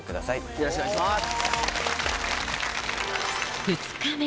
よろしくお願いします。